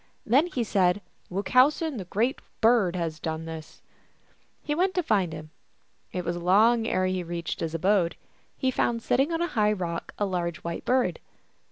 Then he said, " Wuchowsen, the Great Bird, has done this !" He went to find him ; it was long ere he reached his abode. He found sitting on a high rock a large white Bird.